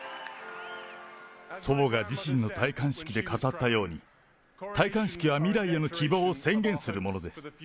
祖母が自身の戴冠式で語ったように、戴冠式は未来への希望を宣言するものです。